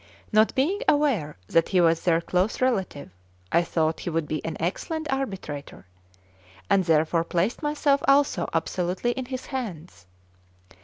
Not being aware that he was their close relative, I thought he would be an excellent arbitrator, and therefore placed myself also absolutely in his hands.